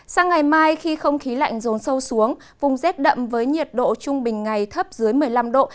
sang ngày mai khi không khí lạnh rồn sâu xuống vùng rét đậm với nhiệt độ trung bình ngày thấp dưới một mươi năm độ